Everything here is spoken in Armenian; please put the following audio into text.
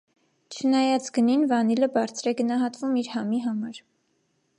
Չնայած գնին, վանիլը բարձր է գնահատվում իր համի համար։